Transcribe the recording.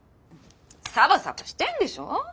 サバサバしてんでしょ？